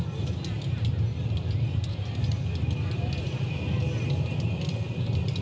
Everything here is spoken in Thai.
สวัสดีครับทุกคน